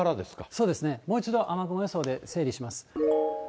そうですね、もう一度、雨雲予想で整理します。